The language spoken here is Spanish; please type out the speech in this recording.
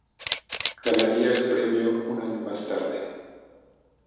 Ganaría el premio un año más tarde.